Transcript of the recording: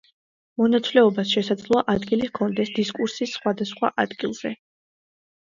მონაცვლეობას შესაძლოა ადგილი ჰქონდეს დისკურსის სხვადასხვა ადგილზე.